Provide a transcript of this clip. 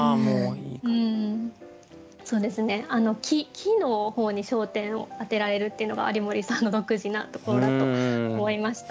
木の方に焦点をあてられるっていうのが有森さんの独自なところだと思いました。